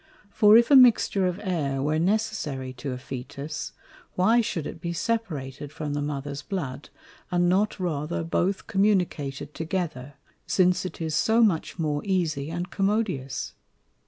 For if a mixture of Air were necessary to a Fœtus, why should it be separated from the Mother's Blood, and not rather both communicated together, since it is so much more easie and commodious?